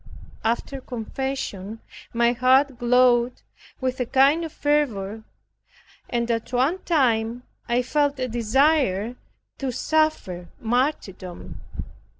After confession my heart glowed with a kind of fervor, and at one time I felt a desire to suffer martyrdom.